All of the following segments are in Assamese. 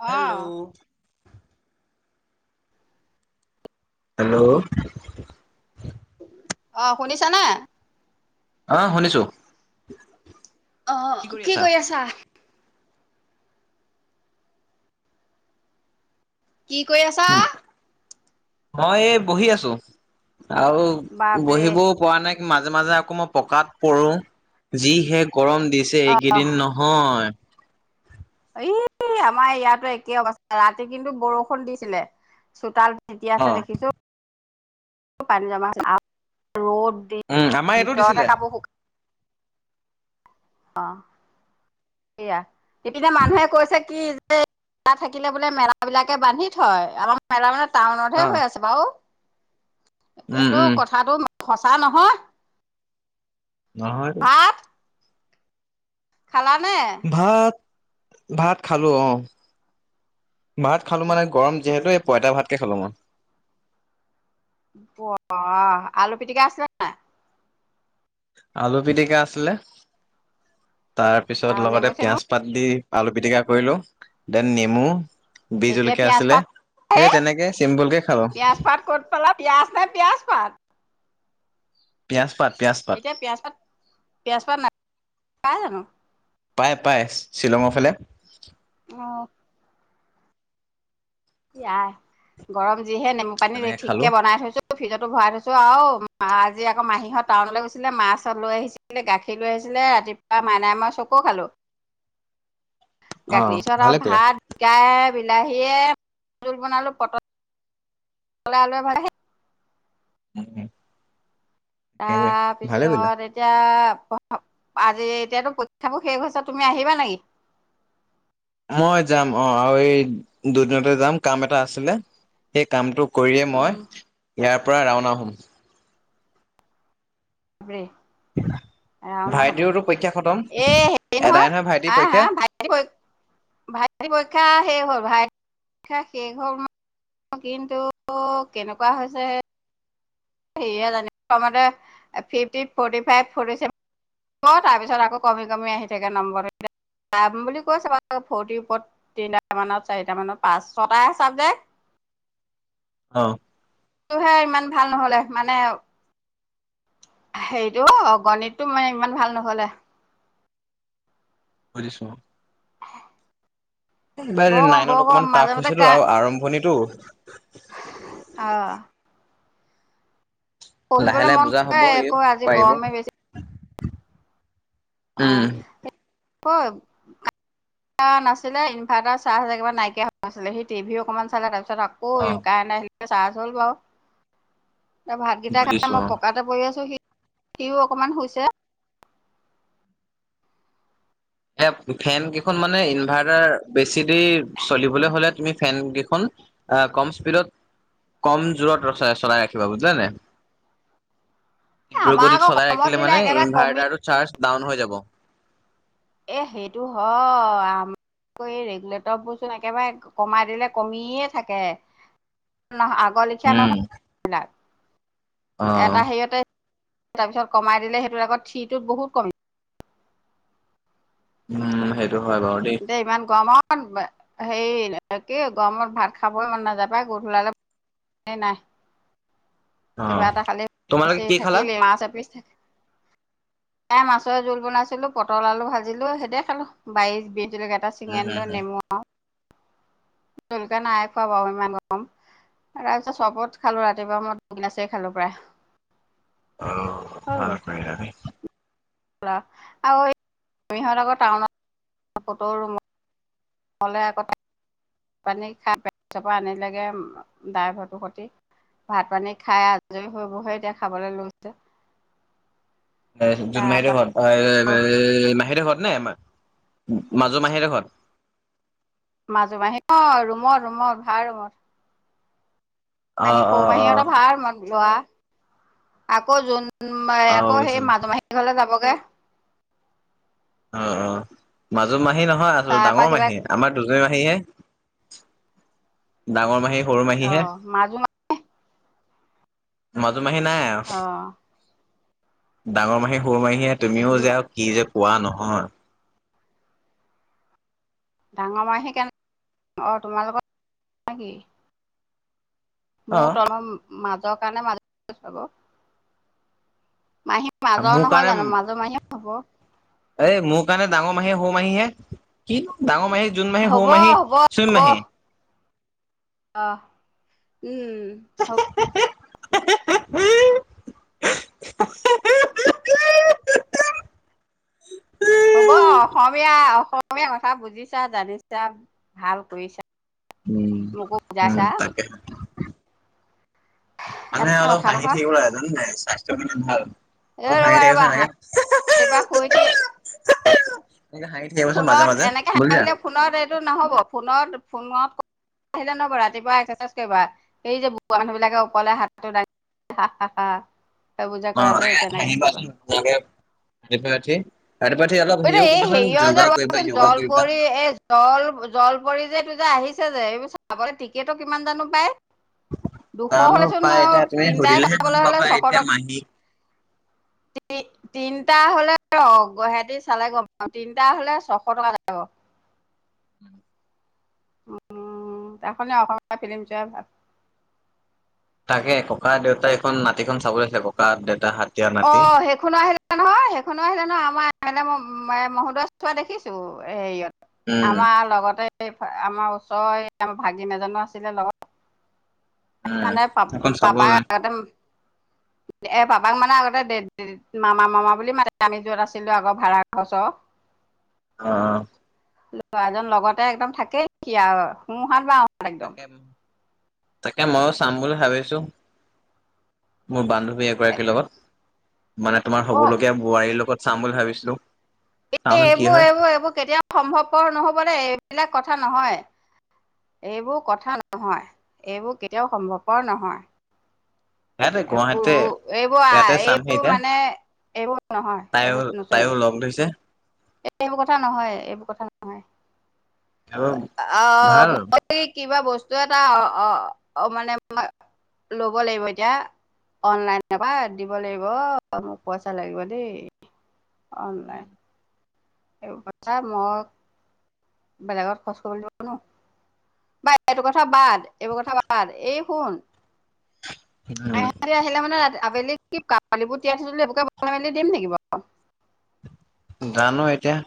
অহ হেল্ল', [unintelligible] হেল্ল', অহ শুনিছানে? অহ শুনিছো। অ, কি কৰি আছা? কি কৰি আছা? মই এই বহি আছো আৰু বাপৰে বহিবও পৰা নাই। মাজে মাজে আকৌ মই পকাত পৰো যি শেষ গৰম দিছে এইকেইদিন নহয়। ই আমাৰ ইয়াতো একে অৱস্থা ৰাতি কিন্তু বৰষুণ দিছিলে। চোতাল তিতিয়া অ আছে দেখিছো পানী জমা ৰ'দ দি উম আমাৰ এইটো দিছিলে ভিতৰতে কাপোৰ শুকাই অ সয়া ইপিনে মানুহে কৈছে কি মা থাকিলে বোলে মেলা বিলাকে বান্ধি থয় আমাৰ মেলা মানে অ টাউনতহে হৈ আছে বাৰু উম কিন্তু উম কথাটো সচা নহয়। নহয়তো। ভাত খালানে? ভাত ভাত খালো অ। ভাত খালো মানে গৰম যিহেতু এই পইতা ভাতকে খালো মাই। ব আলু পিটিকা আছিলে নাই? আলু পিটিকা আছিলে আৰু তাৰপিছত লগতে নেমু চেমু পিয়াজ পাত দি আলু পিটিকা কৰিলো, দেন নেমু, বি এতিয়া জলকীয়া পিয়াজ পা আছিলে সেই তেনেকে চিম্পুলকে খালো। পিয়াজ পাত ক'ত পালা পিয়াজ নে পিয়াজ পাত পিয়াজ পাত। পিয়াজ পাত এতিয়া পিয়াজ পাত পিয়াজ পাত পাই জানো? পাই পায় শ্বিলঙৰ ফালে। অ ইয়াই গৰম যিহে নেমু পানী তেনেকে ঠিক খালো কে বনাই থৈছো ফ্ৰিজতো ভৰাই থৈছো আৰু আজি আকৌ মাহীহ'ত টাউনলৈ গৈছিলে মাছ লৈ আহিছিলে, গাখীৰ লৈ আহিছিল ছিলে ৰাতিপুৱা মাইনাই মই চ'ক খালো। অ গাখীৰ চৰা ভালে কৰিলা ভাত গাই বিলাহীয়ে জোল বনালো, পটল পলাইল ভাল উম তাৰপিছত এতিয়া আজি এতিয়াতো পৰীক্ষাবোৰ শেষ হৈছে তুমি আহিবা নেকি? মই যাম অ আৰু এই দুদিনতে যাম কাম এটা আছিলে, সেই কামটো কৰিয়ে মই উম ইয়াৰ পৰা ৰাওনা হ'ম। সব্ৰৰে ভাইদেউওতো পৰীক্ষা খতম এ হেৰি এদাই নহয় ভাইটিৰ আহ হা পৰীক্ষা ভাই কৈ ভাই পৰীক্ষা সেই হ'ল ভাই শেষ হ'ল ম কিন্তু কেনেকুৱা হৈছে সে জানিবম fifty, forty five, forty seven অ তাৰপিছত আকৌ কমি কমি আহি থাকে নম্বৰটো যাম বুলি কৈছে বাৰু ফৰ্তিৰ ওপৰত তিনিট মানত চাৰিটামানত পাঁচ ছ'টাহে চাবজেক্ট। অ। তটোহে ইমান ভাল নহলে মানে হেইৰিটো গণিতটো মানে ইমান ভাল নহলে। বুজিছোঁ। এইবাৰ বৰ গৰম বৰ নাইনত গৰম অকমান মাজে টাফ মাজে হৈছেতো কা আৰু আৰম্ভণিটো। অ লাহে পঢ়িবলৈ লাহে মন বুজা হ'ব কৰে সিও একো আজি পাৰিব গৰমে বেছি। উম অ নাছিলে ইনভাটাৰ চাৰ্জ একেবা নাইকিয়া হৈ আছিলে, সি টিভিও অকমান চালে তাৰপিছত তাছত অ আকৌ কাৰেন আহিলে চাৰ্জ হ'ল বাও ভাতকেইটা খাই বুজিছো মই অ পকাতে পৰি আছো সি সিও অকণমান হৈছে। এ ফেন কেইখন মানে ইনভাৰ্টাৰ বেছি দেৰি চলিবলৈ হ'লে তুমি ফেন কেইখন- আহ কম স্পীডত কম জোৰত ৰ চলাই ৰাখিবা বুজিলা। নাই তীব্ৰ আমাৰ গতিত আকৌ চলাই কমত ৰাখিলে দিলে মানে একেবাৰে কমি ইনভাৰ্টাৰটো চাৰ্জ- ডাউন হৈ যাব। এ সেইটো হয় আ- ৰেগুলেটৰ বস্তু একেবাৰে কমাই দিলে কমিয়ে থাকেহ- আগৰ লিখীয়া উম নহয়াক অ এটা হেৰিয়তে- তাৰপিছত কমাই দিলে সেইটোৰ আগত থিটোত বহুত কমি উম হয় দেই ইমান গৰমত আৰু হেৰি কি গৰমত ভাত খাব মন নাযা পায় গোধূলালে- নাই অ কিবা এটা খালি মচ তোমালোকে কি খালা থাকিলে মাছ এপিচ থাক এই মাছৰ জোল বনাইছিলো পটল আলু ভাজিলো সেইতে খালো বাৰিছ বিধ- যিবিলক এটা চিঙ আন লৈ নেমু আৰু জলকা নাই খোৱা বৰু ইমান কম তাৰপিছত চবত খালো ৰাতিপুৱা মই দুগনাছে খালো প্ৰায়। আহ ভাল ক গ ন। আৰুহঁত আকৌ টাউনত ফটোৰুত- হলে কথা পানী খাই পে আনিলেগে ড্ৰাইভৰটোৰ সতি- ভাত পানী খাই আজৰি হৈবহে এতিয়া খাবলৈ লৈছে। জোন মাহী‌ তাৰপৰা হতৰ ঘৰত আহ মাহী হঁতৰ ঘৰত- নে মাজো মাহী ঘৰত মাজু মাহী অ ৰুমত ৰুমত ভাড়া ৰুমত অ মাহী অ সৰু অ মাহীহঁতৰ ভাড়া ৰুমত যোৱা আকৌ যোন মায়ে অ আকৌ বুজিছো সেই মাজুমাহী হতঁৰ ঘৰলে যাবগৈ অ অ মাজু মাহী নহয় আচলতে তাৰ পৰা ডাঙৰ কিবা মাহী আমাৰ মাহীহে ডাঙৰ মাহী সৰু অ মাহীহে- মাজু মাজু মাহী নাই আৰু অ ডাঙৰ মাহী সৰু মাহীে তুমিও যে কি যে কোৱা নহয় ডাঙৰ মাহী কেনে অ তোমালোকৰ নে কি অ মোৰ তমাৰ মাজৰ কাৰণে মাজ চাব মোৰ কাৰণে এ মোৰ কাৰণে ডাঙৰ মাহী সৰু মাহীহে কি দাঙৰ মাহী জোন মাহী সৰু হ'ব মাহী হ'ব শুন হ'ব মাহী অ উম হ [unintelligible] হ'ব অসমীয়া অসমীয়া কথা বুজিছা জানিছা ভাল কৰিছা। উম মুকো উম বুজাইছা তাকে মানে এটা অলপ কথা হাঁহি থাকিব ল জানো নাই স্বাস্থ্যৰ মানে ভাল। এ অলপ হাঁহি ৰবা ৰবা থাকিবচোন এনেকে আজি পা শুই উঠিয়ে এনেকে হাঁহি থাকিবাচোন মাজে ফোনত মাজে এনেকে হ আহিলে ফোনত এইটো নহ'ব ফোনৰ ফোনত ক আহিলে ন ৰাতিপুৱা এক্সাৰচাইজ কৰিবা এই যে বঢ়া মানুহ বিলাকে ওৰলে হাতটো দাঙি- হা হা ত সেই বোৰ কৰে যে। তেনেকে হাহি বা কৰিবা চোন ধুনীয়াকে ৰাতিপুৱা উঠি ৰাতিপুৱা উঠি অলপ এতিয়া হেৰিও এই কৰিবাচোন হেৰিয় যে যোগা কৰিবা ৰোৱাচোন য়োগা জল কৰিবা পৰিৰি এ জল জলপৰি যে যে আহিছে যে সেইবোৰ চাব টিকেতো কিমান জানো পায় দুশ জানো হ'লেচোন পাই আৰু এতিয়া তুমি তিনিটাই সুধিলেহে গম চাবলৈ হ'লে পাবা ছশ এতিয়া টকা মাহী নি তিনটা হলে ৰ গুৱাহাটী চালে গম পাবি তিনটা হ'লে ছশ টকা লাগিব [inaudible] উম তখ অসমীয়া ফিলি্ম চোৱাই ভাল [unintelligible] তাকে ককা দেউতা এখন নাতিখন চাব লাগিছিলে ককা দেউতা হাত অ সেইখনো আহিলে নহয় স খনো আহিলে নহয় আমাৰ এ মহোদয় চোৱা দেখিছোঁ হেৰিয়ত উম আমাৰ লগতে এই আমাৰ ওচৰৰ আমৰ ভাগিন এজনো আছিলে লগত উম মানে পাপ এখন চাব পাপাক যায় আগতে এ পাপাক মানে আগতে মামা মামা বুলি মাতে আমি যত আছিলোঁ আগৰ ভাড়া ঘৰ ওচৰৰ অহ অহ লৰাজন লগতে একদম থাকেই নেকি আৰু সোহাত বাওঁ হাত একদম তাকে তাকে ময়ও চাম বুলি ভাবিছোঁ মোৰ বান্ধু এগৰাকীৰ লগত মানে তোমাৰ অ হ'বলগীয়া বোৱাৰীৰ লগত চাম বুলি ভাবিছিলোঁ এ এইবোৰ এইবোৰ এইবোৰ কেতিয়াও সম্ভৱপৰ নহবদেই এইবিলাক কথা নহয় এইবোৰ কথা নহয় এইবোৰ কেতিয়াও সম্ভৱপৰ নহয় সেইটো এইবোৰ গুৱাহাটী ৰু ই এইবোৰ আহ ইয়াতে চাম এইবোৰ সেইতিয়া মানে এইবোৰ নহয় তাইও তাইও লগ ধৰিছে এ এইবোৰ কথা নহয় এইবোৰ কথা নহয় আহ আহ ভাল মই কিবা বস্তু এটা মানে ল'ব লাগিব এতিয়া অনলাইন নাপা দিব লাগিব মোক পইচা লাগিব দেই অনলাইন। এই কছা মই বেলেগত খৰচ কৰিদিলো নহয় [unintelligible] বাই এইটো কথা বাদ এইবোৰ কথা বাদ এই শুন উম আহহ আহিলে মানে ৰা আবেলি কাৱালীবোৰ তিয়াই থৈছো যে গোটেই মেলি দিম নেকি বাৰ [unintelligible] জানো এতিয়া?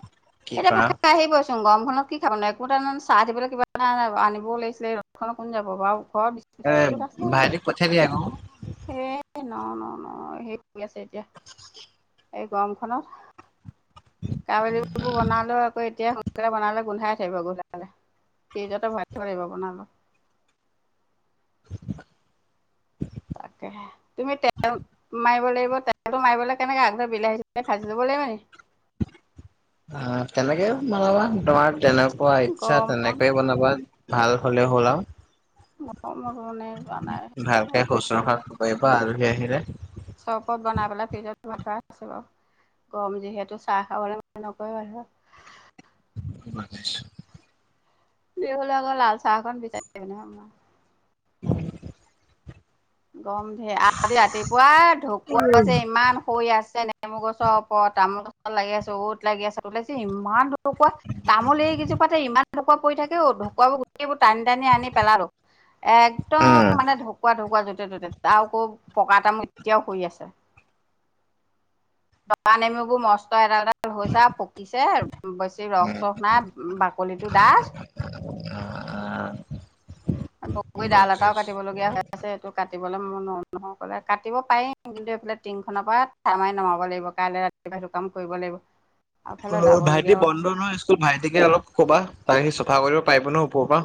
কি এতিয়া পা কৰা আহিব [unintelligible] ন গৰমখনত কি খাব নয় একো এ চাহ দিবলৈ কিবা এটা আনিবও লাগিছিলে ৰদ'খনত কোন যাব বাৰু [unintelligible] ঘৰত বিচকুট এ চিচকুট ভাইটিক পঠিয়াই দিয়া আকৌ আছে এই ন ন ন সেই কৰি আছে এতিয়া এই গৰমখনত। কাৱলী বিবোৰ বনালেও আকৌ এতিয়া বনালে গোন্ধাই থাকিব গোধালে ফ্ৰিজতে ভৰাই থব লাগিব বনালে। [inaudible] [inaudible] তুমি তেল মাৰিব লাগিব তেলটো মাৰিবলৈ কেনেকে আগদৰ বিলাহী চিলাহী ভাজি লব লাগিব নেকি? [inaudible] তেনেকে বনাবা তোমাৰ তেনেকুৱা ইচ্ছা গৰমত তেনেকৈয়ে বনাবা। ভাল হ'লে হ'ল আও। গৰমত মানে যোৱা নাই ভালকে শুশ ৰখা কৰিব আলহী আহিলে। চপত বনাই পেলাই ফ্ৰিজত ভৰাই‌ পেলাই বাৰু গৰম যিহেতু চাহ খাবলৈ ম [unintelligible] নক বুজিছো [unintelligible] বিহুলৈ আকৌ লাল চাহখন বিচাৰনোৰ [unintelligible] গম ধেৰ আজ ৰাতিপুৱা ঢকুৱাছে ইমান শুই আছে ন [unintelligible] তামুল গছৰ ওপৰত তামোল গছৰ লাগি আচো 'ত লাগি আছো ওলাইছে ইমান [unintelligible] কুৱা তামোল একেইজোপাতে ইমান ঢকুুৱা পৰি থাকে ঢকুৱাবোৰ গোটেইবোৰ টানি টানি আনি পেলালো। উম, একদম মানে ঢুকুৱা ঢুকুৱা যদি। তাতে আকৌ পকা তামোল কেইটাও হৰি আছে [unintelligible] পকা নেমু বোৰ মস্ত এটা এটা ভাল হৈছে আৰু পকিছে বেছি ৰস চস নাই বাকলিটো ডাঠ। উ [unintelligible] বগৰী ডাল এটাও কাটিবলগীয়া হৈ আছে এইটো কাটিবলৈ ম নহকলে কাটিব পাৰিম কিন্তু এইফালে টিংখনৰ পৰা থমাৰি নমাব লাগিব কাইলৈ ৰাতিপুৱা শুকাম [unintelligible] কৰিব লাগিব। এইফালে অ ভাইটি যাবলগীয়াও আছে বন্ধ নহয় স্কুল ভাইটিকে অলপ ক'বা তাহি চফা কৰিব পাৰিব ন ওপৰৰ পৰা।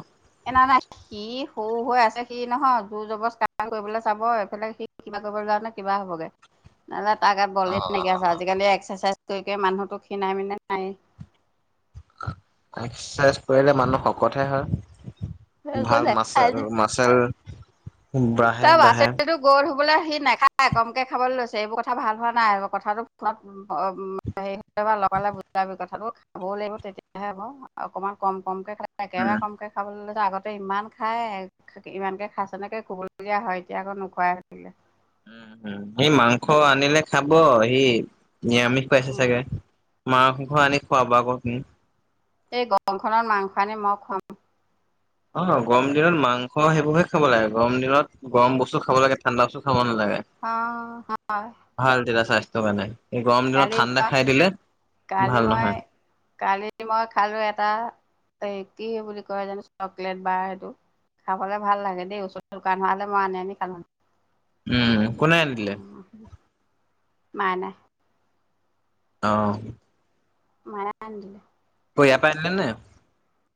এনে নাই কি সৰু হৈ আছে সি নহয় জোৰ জবৰ ক কৰিবলৈ চাব এইফালে সি কিবা কৰিবলে যাওঁতে কিবা হ'বগে। ন [unintelligible] তাৰগাত বলে নেইকিয়া হৈছে আজিকালি এক্সাৰচাইজ কৰি‌ কৰি মানুহতো খীণাই মিনাই নাই। এক্সাৰচাইজ কৰিলে মানুহ শকতহে হয়। ভাল দেখাই যে মাছাৰ মাছাল। চব আছেটো গল বোলে সি নাখায় কমকে খাবলে লৈছে এইবোৰ কথা ভাল হোৱা নাই কথাটো ফোনত হে য়া লগালে বুজাবি কথাটো খাবও লাগিব তেতিয়াহে হ অকণমান কম কমকে খাল একেবাৰে উম কমকে খাবলৈ লৈছো আগতে ইমান খাই ইমানকে খাইছে নেকে খুবলৈ কবলগীয়া হয় এতিয়া আকৌ নোখোৱাই হৈ থাকিলে। উ সি মাংস আনিলে খাব সি নিৰামিষ পাইছে চাগে। মাংস আনি খোৱাব আক। এই গৰম খনত মাংস আনি মই খুৱাম। অ গৰম দিনত মাংস সেইবোৰ হে খাব লাগে গৰম দিনত গৰম বস্তু খাব লাগে ঠাণ্ডা বস্তু খাব নালাগে। [unintelligible] অ ভাল তেতিয়া স্বাস্থ্যৰ কাৰণে এই গৰম দিনত কালি ঠাণ্ডা মই খাই দিলে। কালি ভাল মই নহয় কালি মই খালো এটা এই কি বুলি কয় জানো চকলেট বাৰ সেইটো খাবলৈ ভাল লাগে দেই ওচৰ দোকান হোৱা হ'লে মই আনি আনি খালো হেঁতেন। [unintelligible] উম কোনে আনি দিলে। মাইনাই আহ মাইনাই আনি দিলে। অ ইয়াৰ পৰাই আনিলে নে?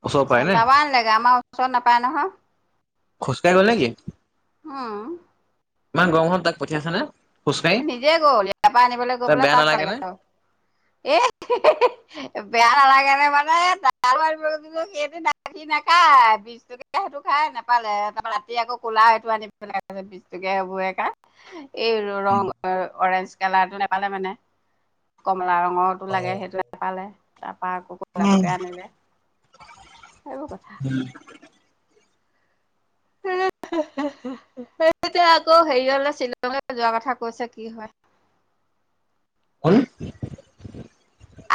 ওচৰৰ পৰাই নে চেন্টাৰ পৰা আনিলেগে আমাৰ ওচৰত নাপায় নহয়। খোজকাঢ়ি গল নেকি? উম। ইমান গৰমখনত তাক পঠিয়াইছেনে। নিজে গ'ল ইয়াৰ পৰা আনিবলৈ গৈ পেলাই বেয়া তাত নালাগে পালে নে গৈ আৰু এ হে। বেয়া নালাগে নে মানে সেইটো সি নেখায় বিচটকীয়া টোকে সেইটো খায়। খায় নাপালে ৰাতি আকৌ কোলা সেইটো আনি পেলায় বিচটকীয়া সেইবোৰ খা এই ৰং অৰেঞ্জ কালাৰটো নেপালে মানে কমলা। লা ৰঙৰটো লাগে সেইটোয়ে পালে তাত। তাই আক কলাটোকে আনিলে সেইবোৰ কথা। [inaudible] সেইয়া আকৌ হেৰি হলে শ্বিলঙে যোৱা কথা কৈছে কি হয়। [unintelligible] উল [unintelligible]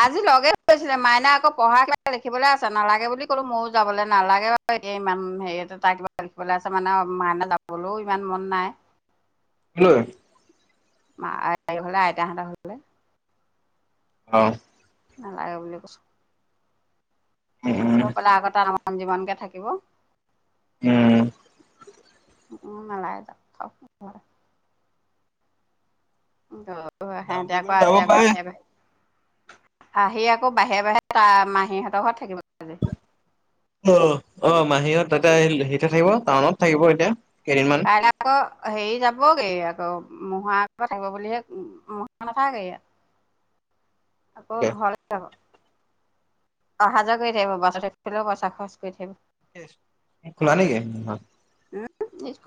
আজি লগে ধৰিছিলে মাইনা আকৌ পঢ়া শা দেখিবলৈ আছে নালাগে বুলি কলো ময়ো যাবলৈ নালাগে বু [unintelligible] তে ইমান হেৰিয় তাৰ কিবা লিখিবলৈ আছে মানে মাইনা যাবলৈও ইমান মন নাই। কি হ'ল? মা হলে আইতাহতৰ ঘৰলে। অ নালাগে বুলে কৈছো। উম উম গৈ পেলাই আকৌ তাত আমন জীমন কে থাকিব উম মই নালাগে যাব থাক এতিয়া আকৌ যাব আজি আকৌ পাৰে আহে গয় আহি আকৌ বাহিয়ে বাহিয়ে তাৰ মাহীহঁতৰ ঘৰত থাকিব লাগে অ অ মাহীহত তাতে এতিয়া সেইতে থাকিব টাউনত থাকিব এতিয়া কেইদিনমান কাইলৈ আকৌ হেৰি যাবগেই আ ত মহা থাকিব বুলিহে মহা নাথাকে ইয়াত আকৌ ঘৰলে যাব অহা যোৱা কৰি থাকিব বাছ হলেও পইচা খৰচ কৰি থাকিব খোলা নেকি উম